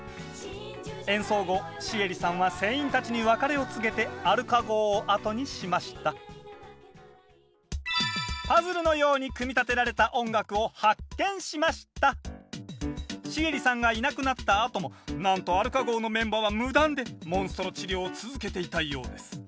演奏後シエリさんは船員たちに別れを告げてアルカ号を後にしましたシエリさんがいなくなったあともなんとアルカ号のメンバーは無断でモンストロ治療を続けていたようです。